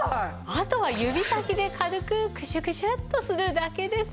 あとは指先で軽くクシュクシュッとするだけです。